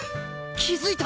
気づいた！？